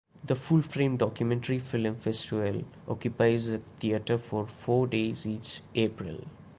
The Full Frame Documentary Film Festival occupies the theater for four days each April.